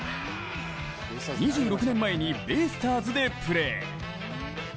２６年前にベイスターズでプレー。